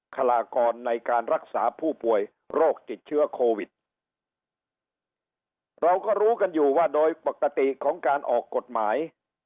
คลากรในการรักษาผู้ป่วยโรคติดเชื้อโควิดเราก็รู้กันอยู่ว่าโดยปกติของการออกกฎหมาย